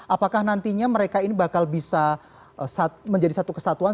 apakah nantinya mereka ini bakal bisa menjadi satu kesatuan